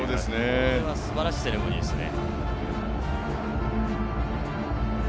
これはすばらしいセレモニーですね。